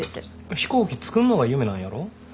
飛行機作んのが夢なんやろ？